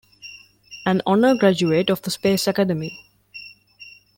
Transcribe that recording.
An honor graduate of the Space Academy.